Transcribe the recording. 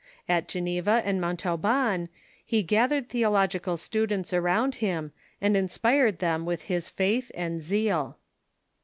At Geneva and Montauban he gathered theological students around him, and inspired them with his faith and zeal.